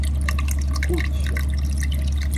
Кућо!